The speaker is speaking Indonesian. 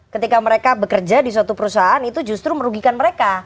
ketika mereka bekerja di suatu perusahaan itu justru merugikan mereka